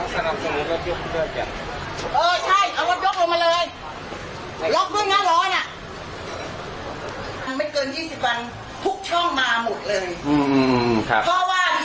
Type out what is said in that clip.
สนามสมุทรเออใช่เอาวัดยกลงมาเลยรอบด้วยงานร้อยน่ะ